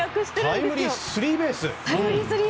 しかもタイムリースリーベース。